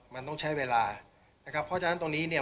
มันต้องใช้เวลานะครับเพราะฉะนั้นตรงนี้เนี่ย